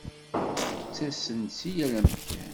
Ttasen-d si yal amkan.